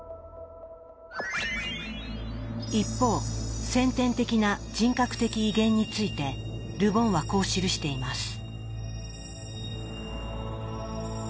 一方先天的な人格的威厳についてル・ボンはこう記しています。